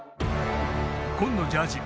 紺のジャージー